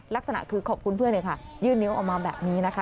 ลักษณะคือขอบคุณเพื่อนเลยค่ะยื่นนิ้วออกมาแบบนี้นะคะ